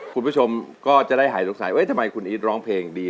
คุณผู้ชมก็จะได้หายสงสัยทำไมคุณอีทร้องเพลงดี